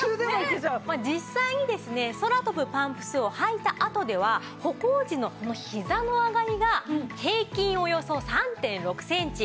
実際にですね空飛ぶパンプスを履いたあとでは歩行時のひざの上がりが平均およそ３．６センチ。